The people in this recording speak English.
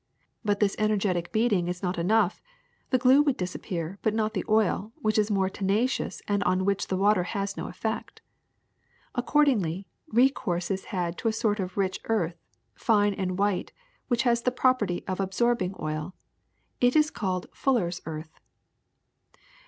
But this energetic beating is not enough ; the glue would disappear, but not the oil, which is more tenacious and on which water has no effect. Accord ingly, recourse is had to a sort of rich earth, fine and white, which has the property of absorbing oil. It is called fullers ' earth.